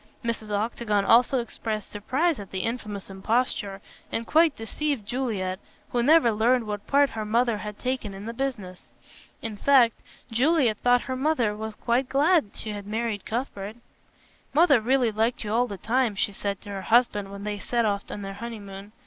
Mrs. Octagon also expressed surprise at the infamous imposture, and quite deceived Juliet, who never learned what part her mother had taken in the business. In fact Juliet thought her mother was quite glad she had married Cuthbert. "Mother really liked you all the time," she said to her husband when they set off on their honeymoon.